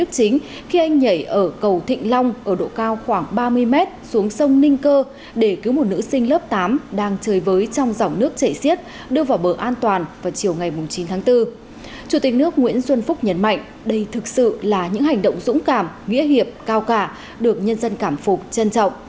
chủ tịch nước nguyễn xuân phúc nhấn mạnh đây thực sự là những hành động dũng cảm nghĩa hiệp cao cả được nhân dân cảm phục trân trọng